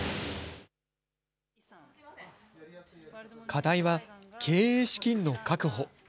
課題は、経営資金の確保。